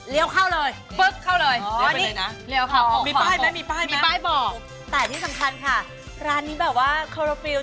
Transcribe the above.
เลี้ยวเข้าเลย